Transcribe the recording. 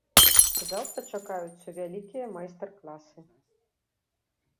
Заўтра чакаюцца вялікія майстар-класы.